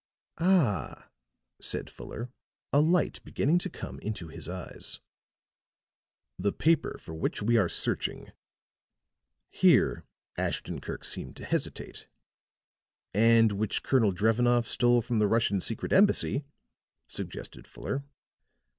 "Ah," said Fuller, a light beginning to come into his eyes. "The paper for which we are searching " here Ashton Kirk seemed to hesitate. "And which Colonel Drevenoff stole from the Russian secret embassy," suggested Fuller.